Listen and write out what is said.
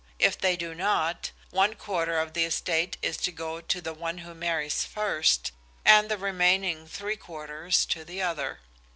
If they do not, one quarter of the estate is to go to the one who marries first, and the remaining three quarters to the other.